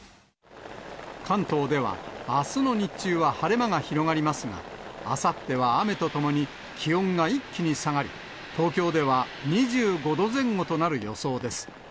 関東ではあすの日中は晴れ間が広がりますが、あさっては雨とともに気温が一気に下がり、東京では２５度前後となる予想です。